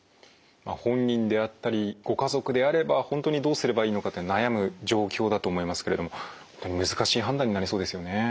本人であったりご家族であれば本当にどうすればいいのかって悩む状況だと思いますけれども難しい判断になりそうですよね。